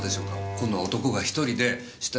今度は男が１人で死体。